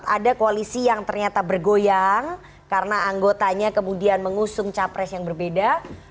ada koalisi yang ternyata bergoyang karena anggotanya kemudian mengusung capres yang berbeda